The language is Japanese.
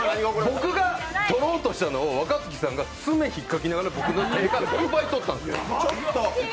僕が取ろうとしたのを若槻さんが爪ひっかきながら僕の手から奪い取ったんです。